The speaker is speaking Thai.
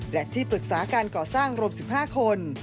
และที่ปรึกษาการก่อสร้างรวม๑๕คน